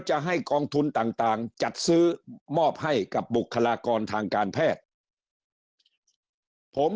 จะให้กองทุนต่างจัดซื้อมอบให้กับบุคลากรทางการแพทย์ผม